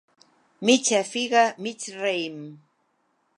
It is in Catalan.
Mitja figa, mig raïm.